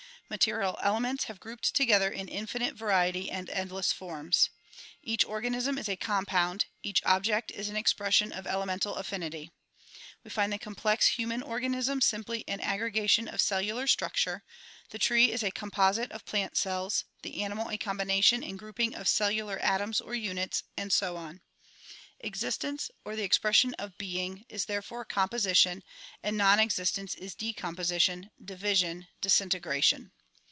Material elements have grouped together in infinite variety and endless forms. Each organism is a compound ; each object is an expression of elemental affinity. We find the complex human organi.sm simply an aggrega 54 THE PROMULGATION OP UNIVERSAL PEACE tion of cellular structure ; the tree is a composite of plant cells ; the animal a combination and grouping of cellular atoms or units, and so on. Existence or the expression of being is therefore composi tion, and non existence is decomi^osition, division, disintegration.